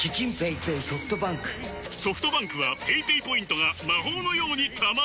ソフトバンクはペイペイポイントが魔法のように貯まる！